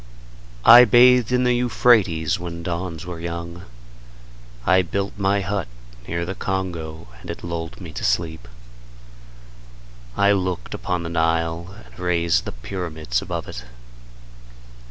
I bathed in the Euphrates when dawns were young. I built my hut near the Congo and it lulled me to sleep. I looked upon the Nile and raised the pyramids above it.